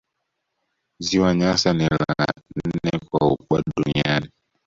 Ziwa Nyasa ni la nane kwa ukubwa duniani